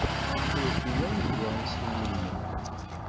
Ur ufin ara ddwa i s-iwulmen.